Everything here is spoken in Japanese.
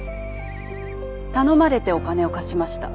頼まれてお金を貸しました。